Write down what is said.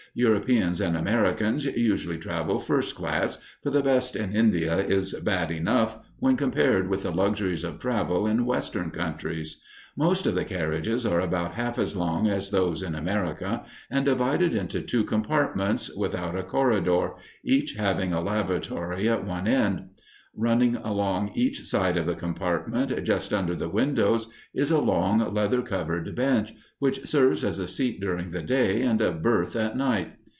Europeans and Americans usually travel first class, for the best in India is bad enough when compared with the luxuries of travel in Western countries. Most of the carriages are about half as long as those in America, and divided into two compartments without a corridor, each having a lavatory at one end. Running along each side of the compartment, just under the windows, is a long, leather covered bench, which serves as a seat during the day, and a berth at night.